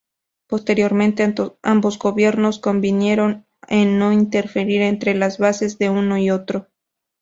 Posteriormente ambos gobiernos convinieron en no interferir entre las bases de uno y otro.